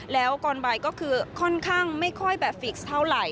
แล้วก่อนบ่ายก็คือค่อนข้างไม่ค่อยแบบฟิกซ์เท่าไหร่